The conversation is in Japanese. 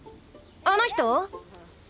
あの人？